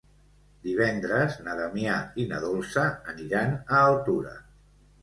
Divendres na Damià i na Dolça aniran a Altura.